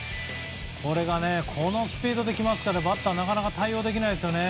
これがこのスピードできますからバッター、なかなか対応できないですよね。